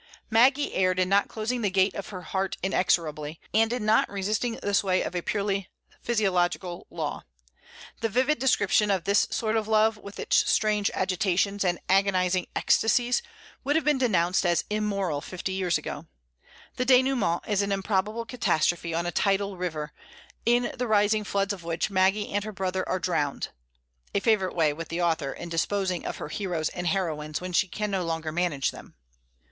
Maggie erred in not closing the gate of her heart inexorably, and in not resisting the sway of a purely "physiological law." The vivid description of this sort of love, with its "strange agitations" and agonizing ecstasies, would have been denounced as immoral fifty years ago. The dénouement is an improbable catastrophe on a tidal river, in the rising floods of which Maggie and her brother are drowned, a favorite way with the author in disposing of her heroes and heroines when she can no longer manage them.